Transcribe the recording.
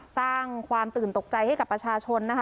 สร้างความตื่นตกใจให้กับประชาชนนะคะ